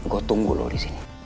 gue tunggu lo disini